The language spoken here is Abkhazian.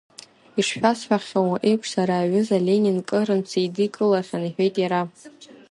Ишшәасҳәахьоу еиԥш, сара аҩыза Ленин кырынтә сидикылахьан, — иҳәеит иара.